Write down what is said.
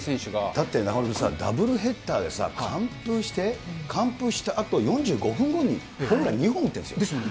だって中丸さんさ、ダブルヘッダーで完封して、完封したあと４５分後に、ホームラン２本打っですよね。